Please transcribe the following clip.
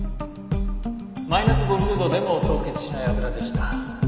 マイナス５０度でも凍結しない油でした。